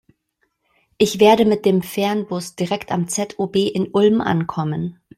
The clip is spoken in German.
Ich werde mit dem Fernbus direkt am ZOB in Ulm ankommen.